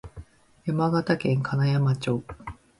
山形県金山町